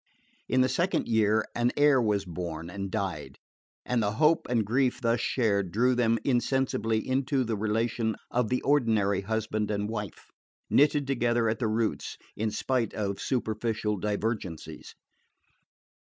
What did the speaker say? In the second year an heir was born and died; and the hopes and grief thus shared drew them insensibly into the relation of the ordinary husband and wife, knitted together at the roots in spite of superficial divergencies.